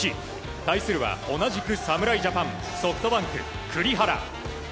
対するは同じく侍ジャパンソフトバンク、栗原。